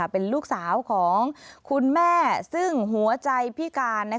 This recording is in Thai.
เป็นลูกสาวของคุณแม่ซึ่งหัวใจพิการ